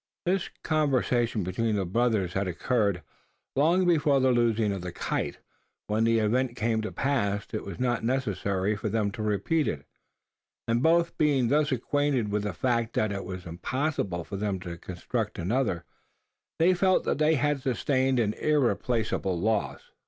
This conversation between the brothers had occurred, long before the losing of the kite. When that event came to pass, it was not necessary for them to repeat it; and, both being thus acquainted with the fact that it was impossible for them to construct another, they felt that they had sustained an irreparable loss.